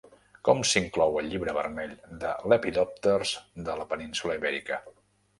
Com s'inclou al Llibre Vermell de Lepidòpters de la península Ibèrica?